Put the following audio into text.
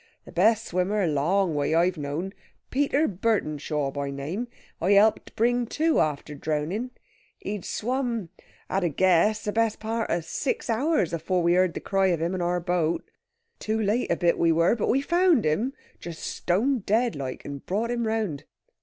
The best swimmer a long way I've known Peter Burtenshaw by name I helped bring to after drowning. He'd swum at a guess the best part of six hours afower we heard the cry of him on our boat. Too late a bit we were, but we found him, just stone dead like, and brought him round.